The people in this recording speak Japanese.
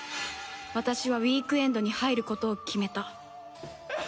私はウィークエンドに入ることを決めた